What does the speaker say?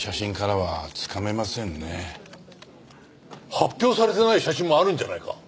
発表されてない写真もあるんじゃないか？